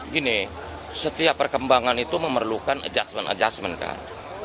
gini setiap perkembangan itu memerlukan adjustment adjustment kan